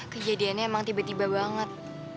kejadiannya emang tiba tiba banget